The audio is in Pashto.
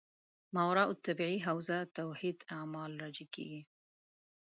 ماورا الطبیعي حوزه توحید اعمال راجع کېږي.